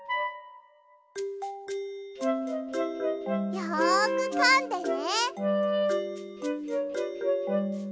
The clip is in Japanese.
よくかんでね。